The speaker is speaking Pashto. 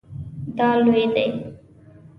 دا لوی دی